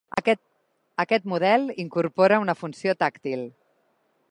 Aquest model incorpora una funció tàctil.